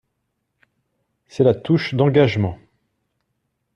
C'est la touche d'engagement.